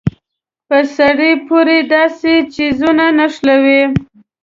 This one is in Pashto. په سړي پورې داسې څيزونه نښلوي.